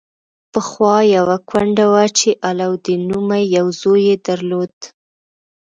پخوا یوه کونډه وه چې علاوالدین نومې یو زوی یې درلود.